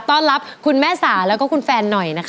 ต้อนรับคุณแม่สาแล้วก็คุณแฟนหน่อยนะคะ